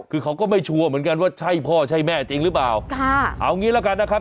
คือเขาก็ไม่ชัวร์เหมือนกันว่าใช่พ่อใช่แม่จริงหรือเปล่าค่ะเอางี้แล้วกันนะครับ